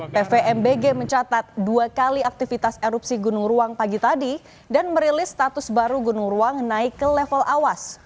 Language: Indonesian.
pvmbg mencatat dua kali aktivitas erupsi gunung ruang pagi tadi dan merilis status baru gunung ruang naik ke level awas